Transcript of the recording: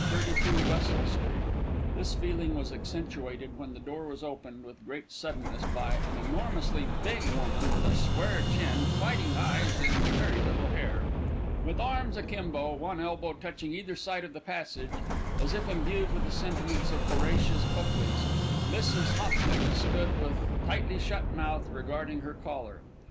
32 Wessels Street. This feeling was accentuated when the door was opened with great suddenness by an enormously big woman with a square chin, fighting eyes, and very little hair. With arms akimbo, one elbow touching either side of the passage, as if imbued with the sentiments of Horatius Cocles, Mrs. Hopton stood with tightly shut mouth regarding her caller.